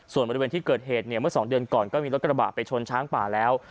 ส่วนบริเวณที่เกิดเหตุเนี่ยเมื่อ๒เดือนก่อนก็มีรถกระบะไปชนช้างป่าแล้ว